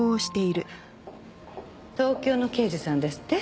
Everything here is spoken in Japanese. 東京の刑事さんですって？